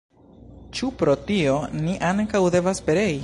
Ĉu pro tio ni ankaŭ devas perei?